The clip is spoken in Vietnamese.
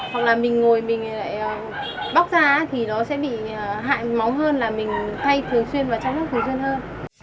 hoặc là mình ngồi mình lại bóc ra thì nó sẽ bị hại móng hơn là mình thay thường xuyên và chăm sóc thường xuyên hơn